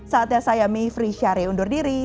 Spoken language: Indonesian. saatnya saya mayfree syarie undur diri